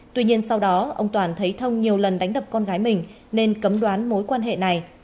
tuy nhiên sau đó ông toàn thấy thông nhiều lần đánh đập con gái mình nên cấm đoán mối quan hệ này